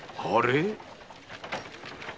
あれ？